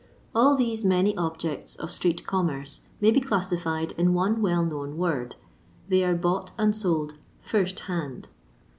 All these many objects of street commerce may be classified in one well known word : they are bought and sold JirsUhand.